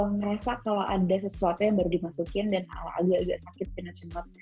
ngerasa kalau ada sesuatu yang baru dimasukin dan agak agak sakit sinature